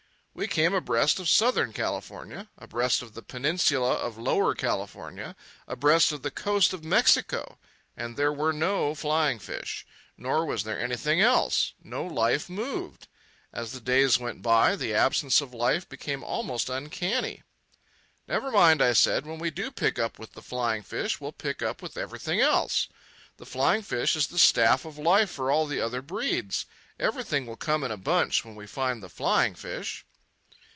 We came abreast of Southern California, abreast of the Peninsula of Lower California, abreast of the coast of Mexico; and there were no flying fish. Nor was there anything else. No life moved. As the days went by the absence of life became almost uncanny. "Never mind," I said. "When we do pick up with the flying fish we'll pick up with everything else. The flying fish is the staff of life for all the other breeds. Everything will come in a bunch when we find the flying fish."